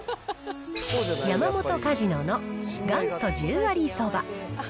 山本かじのの元祖十割そば。